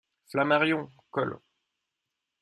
Flammarion, coll.